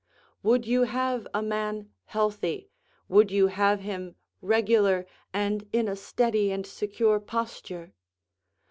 Would you have a man healthy, would you have him regular, and in a steady and secure posture?